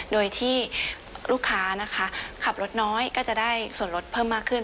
โดยที่ลูกค้านะคะขับรถน้อยก็จะได้ส่วนลดเพิ่มมากขึ้น